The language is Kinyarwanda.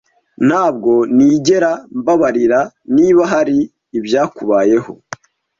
Ntabwo nigera mbabarira niba hari ibyakubayeho.